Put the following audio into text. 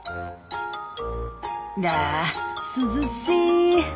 「あ涼しい」